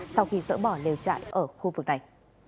sau khi dỡ bỏ liều chạy ở khu vực này